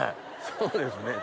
そうですね。